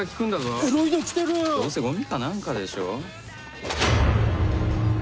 どうせゴミか何かでしょ。